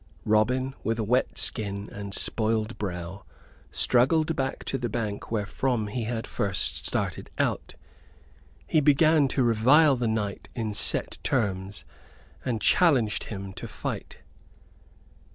Robin, with wet skin and spoiled bow, struggled back to the bank wherefrom he had first started out. He began to revile the knight in set terms, and challenged him to fight.